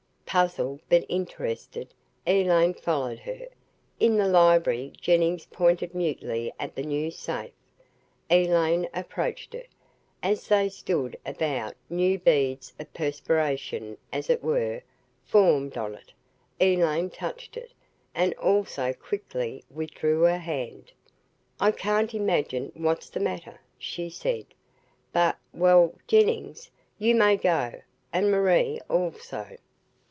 Puzzled but interested, Elaine followed her. In the library Jennings pointed mutely at the new safe. Elaine approached it. As they stood about new beads of perspiration, as it were, formed on it. Elaine touched it, and also quickly withdrew her hand. "I can't imagine what's the matter," she said. "But well Jennings, you may go and Marie, also."